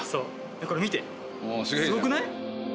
これ見てすごくない？